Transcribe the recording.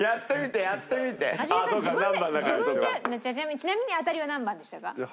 ちなみに当たりは何番でしたか？